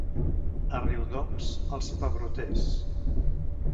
A Riudoms, els pebroters.